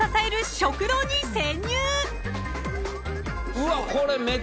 うわっ！